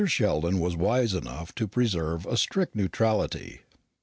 Sheldon was wise enough to preserve a strict neutrality.